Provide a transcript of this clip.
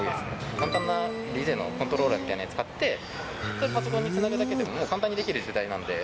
簡単なＤＪのコントローラーみたいなの買って、それをパソコンにつなぐだけで、もう簡単にできる時代なんで。